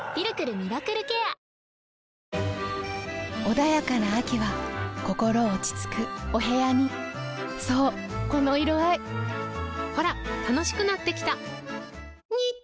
穏やかな秋は心落ち着くお部屋にそうこの色合いほら楽しくなってきた！